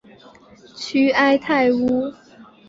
屈埃泰乌。